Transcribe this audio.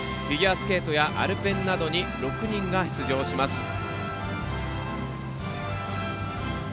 フィギュアスケートやアルペンなどに６人が出場します。